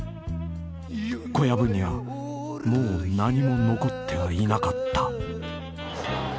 ［小籔にはもう何も残ってはいなかった］